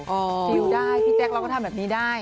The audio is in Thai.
ฟิลล์ได้พี่แจ๊คเราก็ทำแบบนี้ได้